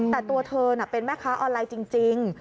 แต่ตัวเธอน่ะเป็นแม่ค้าออนไลน์จริง